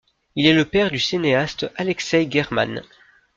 Il est le père du cinéaste Alekseï Guerman.